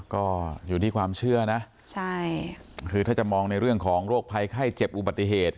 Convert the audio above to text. ก็อยู่ที่ความเชื่อนะใช่คือถ้าจะมองในเรื่องของโรคภัยไข้เจ็บอุบัติเหตุ